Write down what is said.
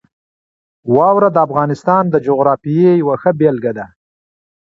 واوره د افغانستان د جغرافیې یوه ښه بېلګه ده.